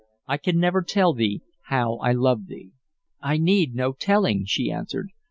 I can never tell thee how I love thee." "I need no telling," she answered.